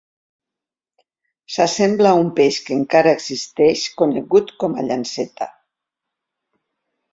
S'assembla a un peix que encara existeix, conegut com a llanceta.